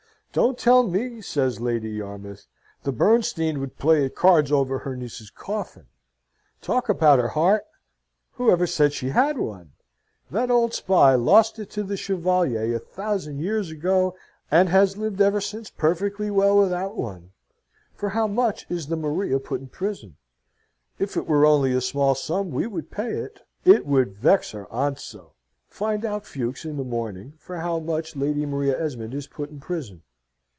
"Don't tell me!" says Lady Yarmouth. "The Bernstein would play at cards over her niece's coffin. Talk about her heart! who ever said she had one? That old spy lost it to the Chevalier a thousand years ago, and has lived ever since perfectly well without one. For how much is the Maria put in prison? If it were only a small sum we would pay it, it would vex her aunt so. Find out, Fuchs, in the morning, for how much Lady Maria Esmond is put in prison."